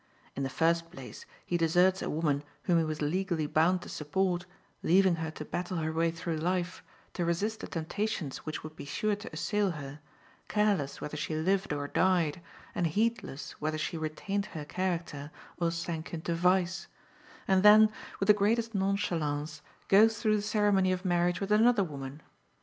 In the first place, he deserts a woman whom he was legally bound to support, leaving her to battle her way through life, to resist the temptations which would be sure to assail her, careless whether she lived or died, and heedless whether she retained her character or sank into vice; and then, with the greatest nonchalance, goes through the ceremony of marriage with another woman.